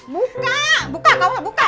buka buka kaos buka